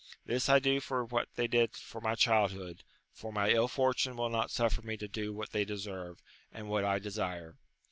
This I do for what they did for my childhood, for my ill fortune wiU not suffer me to do what they deserve, and what I desire.